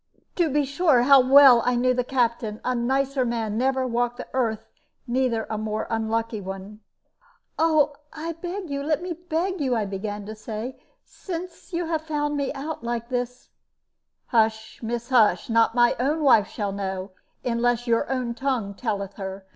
To be sure, how well I knew the Captain! A nicer man never walked the earth, neither a more unlucky one." "I beg you let me beg you," I began to say; "since you have found me out like this " "Hush, miss, hush! Not my own wife shall know, unless your own tongue telleth her.